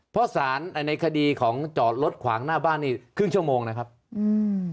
เพราะสารในคดีของจอดรถขวางหน้าบ้านนี่ครึ่งชั่วโมงนะครับอืม